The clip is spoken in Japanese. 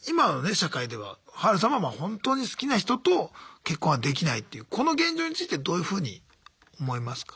社会ではハルさんは本当に好きな人と結婚はできないというこの現状についてどういうふうに思いますか？